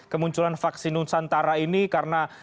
kemunculan vaksin nusantara ini karena